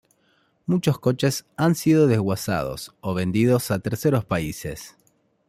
Muchos coches han sido desguazados o vendidos a terceros países.